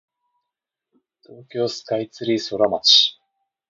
東京スカイツリーソラマチ